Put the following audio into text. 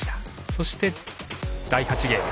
そして、第８ゲーム。